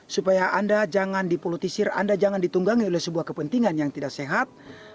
supaya anda jangan dipolitisir anda jangan ditunggangi oleh sebuah kepentingan yang tidak sehat